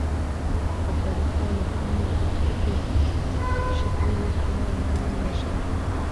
په طریقه له کومې اوښې شیدې ورته راولوشه،